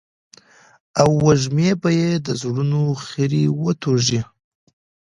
او وږمې به يې د زړونو خيري وتوږي.